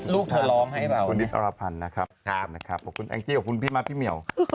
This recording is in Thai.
ลูกทรลองให้มากขอบคุณพี่นิตรภัณฑ์นะครับขอบคุณแอ๊งจี้พี่มันพี่เมียล